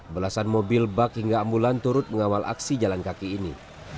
belasan mobil bak hingga ambulan turut mengawal aksi jalan kaki ini